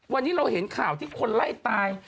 วันนี้เราเห็นข่าวที่คนไล่ตาย